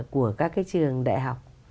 của các cái trường đại học